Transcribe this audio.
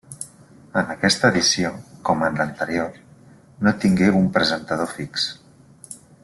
En aquesta edició, com en l'anterior, no tingué un presentador fix.